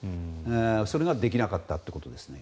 それができなかったということですね。